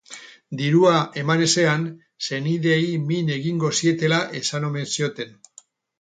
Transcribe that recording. Dirua eman ezean, senideei min egingo zietela esan omen zioten.